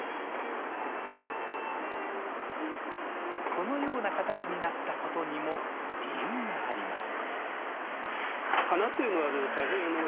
このような形になったことにも理由があります。